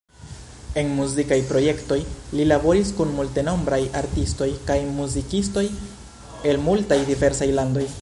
En muzikaj projektoj li laboris kun multenombraj artistoj kaj muzikistoj el multaj diversaj landoj.